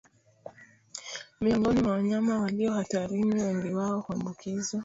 Miongoni mwa wanyama walio hatarini wengi wao huambukizwa